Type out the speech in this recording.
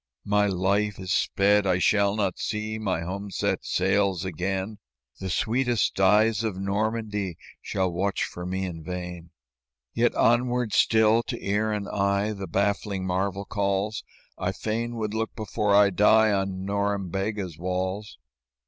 "My life is sped; I shall not see My home set sails again; The sweetest eyes of Normandie Shall watch for me in vain. "Yet onward still to ear and eye The baffling marvel calls; I fain would look before I die On Norembega's walls.